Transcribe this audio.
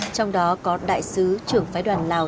trong đó có đại sứ trưởng phái đoàn lào